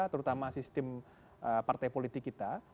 terutama sistem partai politik kita